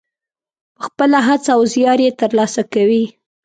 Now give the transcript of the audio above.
په خپله هڅه او زیار یې ترلاسه کوي.